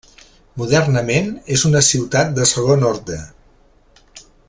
Modernament és una ciutat de segon orde.